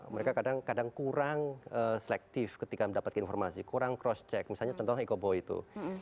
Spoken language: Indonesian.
mereka kadang kadang kurang selektif ketika mendapatkan informasi kurang cross check misalnya contohnya eko boy itu